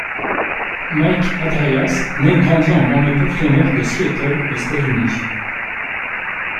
Mike Hadreas naît et grandi en banlieue pavillonnaire de Seattle aux États-Unis.